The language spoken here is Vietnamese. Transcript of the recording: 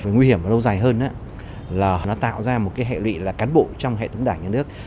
nguy hiểm và lâu dài hơn là nó tạo ra một hệ lụy là cán bộ trong hệ thống đảng nhà nước